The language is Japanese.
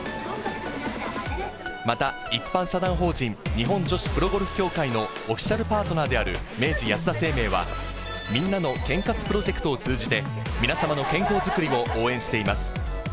また、一般社団法人日本女子プロゴルフ協会のオフィシャルパートナーである明治安田生命は、みんなの健活プロジェクトを通じて、皆様の健康づくりを応援しています。